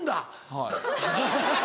はい。